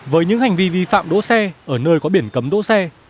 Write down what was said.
với những hành vi vi phạm đỗ xe ở nơi có biển cấm đỗ xe